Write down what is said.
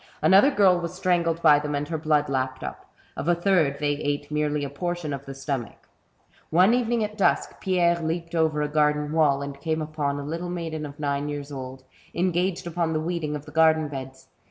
Another girl was strangled by them, and her blood lapped up. Of a third they ate merely a portion of the stomach. One evening at dusk, Pierre leaped over a garden wall, and came upon a little maiden of nine years old, engaged upon the weeding of the garden beds.